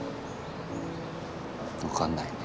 分かんないね。